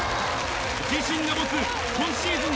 自身が持つ今シーズン